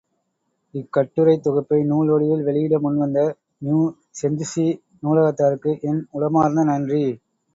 இக்கட்டுரைத் தொகுப்பை நூல் வடிவில் வெளியிட முன்வந்த நியூ செஞ்சுசி நூலகத்தாருக்கு என் உளமார்ந்த நன்றி.